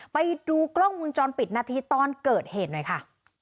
ไปดูกล้องวงจรปิดนาทีตอนเกิดเหตุหน่อยค่ะ